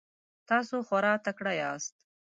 تاسو خورا تکړه یاست.